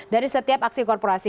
dari setiap aksi korporasi